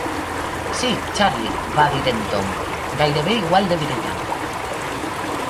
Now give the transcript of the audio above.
"Sí, Charley", va dir en Tom, "gairebé igual de brillant".